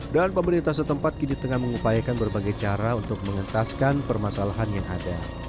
dan pemerintah setempat kini tengah mengupayakan berbagai cara untuk mengentaskan permasalahan yang ada